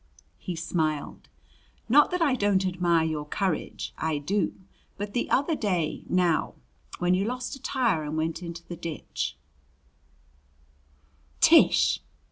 he smiled. "Not that I don't admire your courage. I do. But the other day, now, when you lost a tire and went into the ditch " "Tish!"